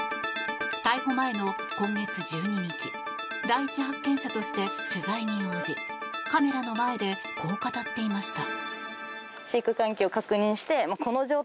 逮捕前の今月１２日第一発見者として取材に応じカメラの前でこう語っていました。